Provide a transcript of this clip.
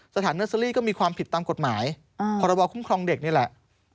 สถานเนอร์เซอรี่ก็มีความผิดตามกฎหมายพรบคุ้มครองเด็กนี่แหละ